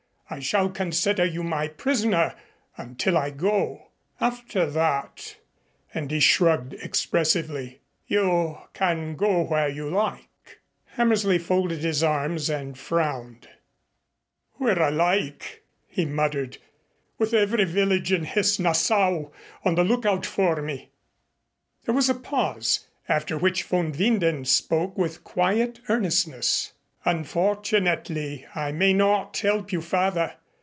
I shall consider you my prisoner until I go. After that" and he shrugged expressively "you can go where you like." Hammersley folded his arms and frowned. "Where I like!" he muttered. "With every village in Hesse Nassau on the lookout for me." There was a pause, after which von Winden spoke with quiet earnestness. "Unfortunately I may not help you further.